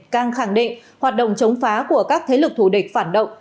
cang khẳng định hoạt động chống phá của các thế lực thủ địch phản động